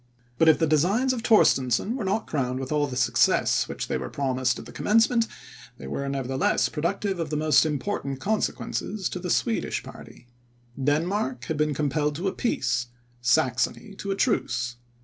But if the designs of Torstensohn were not crowned with all the success which they were promised at the commencement, they were, nevertheless, productive of the most important consequences to the Swedish party. Denmark had been compelled to a peace, Saxony to a truce.